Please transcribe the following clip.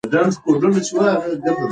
ایا ته لندن ته ځې؟